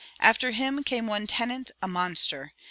After him came one Tennent, a monster!